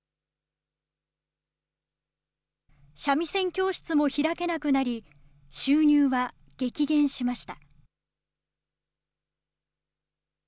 三味線教室も開けなくなり、収入は激減しました。